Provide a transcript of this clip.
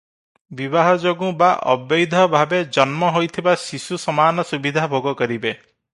ବିବାହ ଯୋଗୁଁ ବା ଅବୈଧ ଭାବେ ଜନ୍ମ ହୋଇଥିବା ଶିଶୁ ସମାନ ସୁବିଧା ଭୋଗ କରିବେ ।